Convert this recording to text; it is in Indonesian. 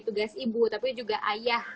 tugas ibu tapi juga ayah